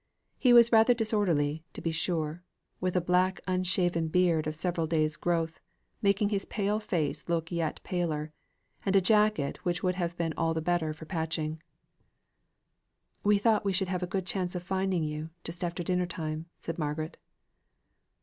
He was rather disorderly, to be sure, with a black unshaven beard of several days' growth, making his pale face look yet paler, and a jacket which would have been all the better for patching. "We thought we should have a good chance of finding you, just after dinner time," said Margaret.